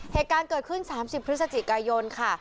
เหตุการณ์เกิดขึ้น๓๐พฤศจิกายนค่ะ